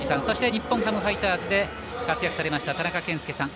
日本ハムファイターズで活躍されました、田中賢介さん